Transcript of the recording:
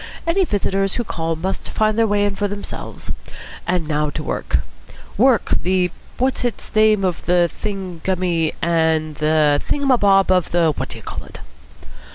Any visitors who call must find their way in for themselves. And now to work. Work, the what's its name of the thingummy and the thing um a bob of the what d'you call it."